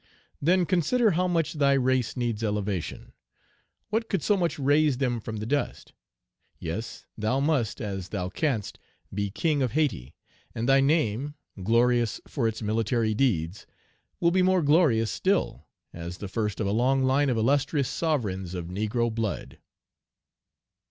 Then consider how much thy race needs elevation. What could so much raise them from the dust? Yes, thou must, as thou canst, be King of Hayti; and thy name, glorious for its military deeds, will be more glorious still as the first of a long line of illustrious sovereigns of negro blood.